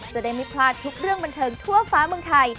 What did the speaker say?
จะได้ไม่พลาดทุกเรื่องบันเทิงทั่วฟ้าเมืองไทย